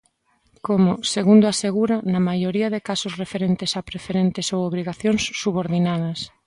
Como, segundo asegura, na maioría de casos referentes a preferentes ou obrigacións subordinadas.